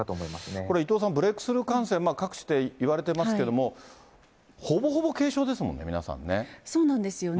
これ伊藤さん、ブレークスルー感染、各地でいわれてますけれども、ほぼほぼ軽症ですもんね、そうなんですよね。